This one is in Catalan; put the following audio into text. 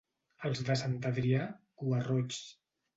Els de Sant Adrià, cua-roigs.